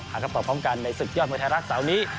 คำตอบพร้อมกันในศึกยอดมวยไทยรัฐเสาร์นี้